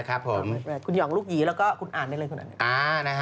คุณหย่องลูกหยีและคุณอ่านได้เลย